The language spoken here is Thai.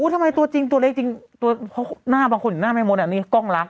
ทำไมตัวจริงตัวเล็กจริงตัวหน้าบางคนหน้าไม่มดอันนี้กล้องรัก